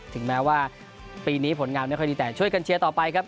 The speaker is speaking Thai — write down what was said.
ถึงแม้ว่าปีนี้ผลงานไม่ค่อยดีแต่ช่วยกันเชียร์ต่อไปครับ